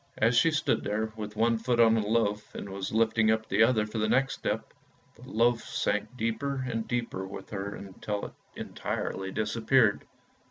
As she stood there with one foot on the loaf and was lifting up the other for the next step, the loaf sank deeper and deeper with her till she entirely disappeared.